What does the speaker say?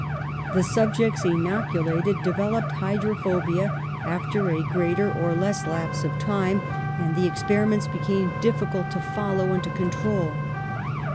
The subjects inoculated developed hydrophobia after a greater or less lapse of time, and the ex periments became difficult to follow and to con trol.